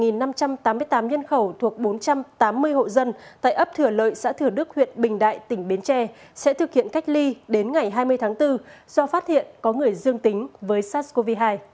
một năm trăm tám mươi tám nhân khẩu thuộc bốn trăm tám mươi hộ dân tại ấp thửa lợi xã thửa đức huyện bình đại tỉnh bến tre sẽ thực hiện cách ly đến ngày hai mươi tháng bốn do phát hiện có người dương tính với sars cov hai